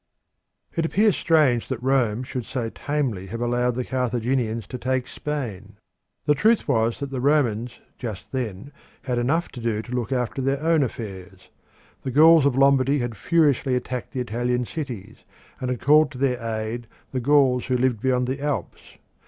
It appears strange that Rome should so tamely have allowed the Carthaginians to take Spain. The truth was that the Romans just then had enough to do to look after their own affairs. The Gauls of Lombardy had furiously attacked the Italian cities, and had called to their aid the Gauls who lived beyond the Alps.